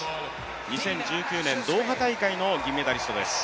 ２０１９年ドーハ大会の銀メダリストです。